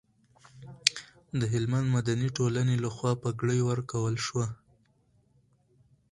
د هلمند مدني ټولنې لخوا بګړۍ ورکول شوه.